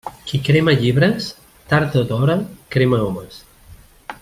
Qui crema llibres, tard o d'hora crema homes.